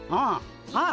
ああ。